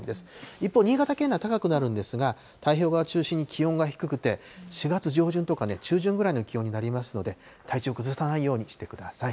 一方、新潟県は高くなるんですが、太平洋側中心に気温が低くて、４月上旬とか中旬ぐらいの気温になりますので、体調崩さないようにしてください。